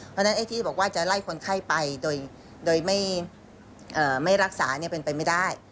เพราะฉะนั้นไอ้ที่บอกว่าจะไล่คนไข้ไปโดยไม่รักษาเป็นไปไม่ได้